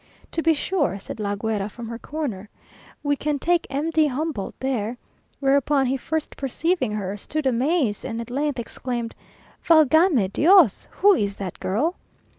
"To be sure," said La Guera from her corner; "we can take M. de Humboldt there;" whereupon he first perceiving her, stood amazed, and at length exclaimed, _"Valgame Dios! who is that girl?"